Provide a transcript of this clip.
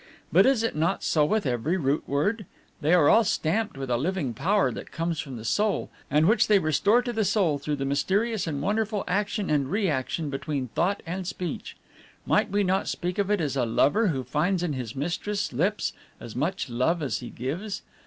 "But is it not so with every root word? They are all stamped with a living power that comes from the soul, and which they restore to the soul through the mysterious and wonderful action and reaction between thought and speech. Might we not speak of it as a lover who finds on his mistress' lips as much love as he gives?